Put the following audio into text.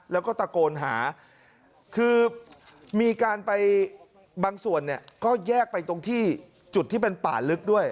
แล้วก็ตะโกนหาคือมีการไปบางส่วนเนี่ยก็แยกไปตรงที่จุดที่เป็นป่าลึกด้วย